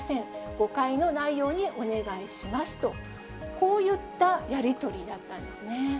誤解のないようにお願いしますと、こういったやり取りだったんです